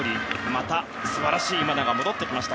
また、素晴らしい今永が戻ってきました。